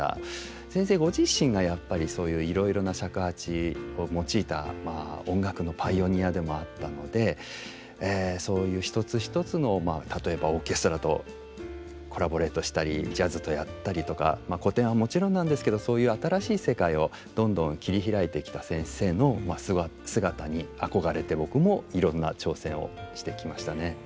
先生ご自身がやっぱりそういういろいろな尺八を用いた音楽のパイオニアでもあったのでそういう一つ一つの例えばオーケストラとコラボレートしたりジャズとやったりとか古典はもちろんなんですけどそういう新しい世界をどんどん切り開いてきた先生の姿に憧れて僕もいろんな挑戦をしてきましたね。